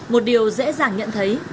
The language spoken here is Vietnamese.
một điều dễ dàng nhận thấy